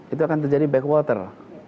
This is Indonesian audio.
itu akan terjadi backwater